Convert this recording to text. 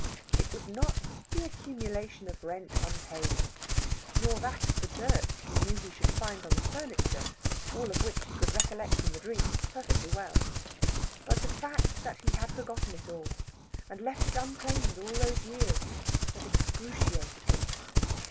It was not the accumulation of rent unpaid, nor that of the dirt he knew he should find on the furniture (all of which he could recollect in the dream perfectly well), but the fact that he had forgotten it all, and left it unclaimed all those years, that excruciated him.